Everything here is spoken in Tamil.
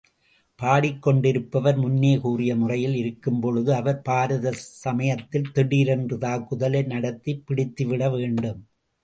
பாடிக் கொண்டிருப்பவர் முன்னே கூறிய முறையில் இருக்கும்பொழுது, அவர் பாராத சமயத்தில் திடீரென்று தாக்குதலை நடத்திப் பிடித்துவிட வேண்டும்.